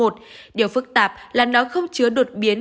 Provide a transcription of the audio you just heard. điều phức tạp là nó không chứa đột biến